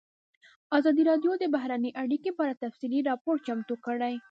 ازادي راډیو د بهرنۍ اړیکې په اړه تفصیلي راپور چمتو کړی.